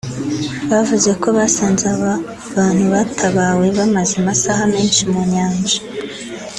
bavuze ko basanze aba bantu batabawe bamaze amasaha menshi mu Nyanja